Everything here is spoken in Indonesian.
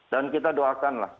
dan kita doakanlah